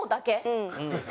うん。